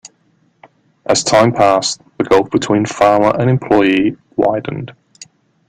As time passed the gulf between farmer and employee widened.